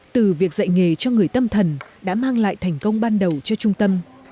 từ việc dạy nghề cho người tâm thần đã mang lại thành công ban đầu cho trung tâm